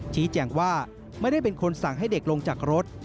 ชี้แจงว่าไม่ได้เป็นคนสั่งให้เด็กลงจากรถ